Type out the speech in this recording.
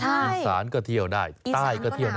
อีสานก็เที่ยวได้ใต้ก็เที่ยวได้